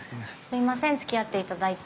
すいませんつきあって頂いて。